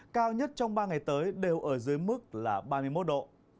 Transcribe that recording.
cao nhất trong ba ngày tới đều ở dưới mức là ba mươi một độ